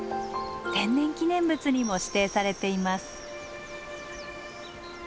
天然記念物にも指定されています。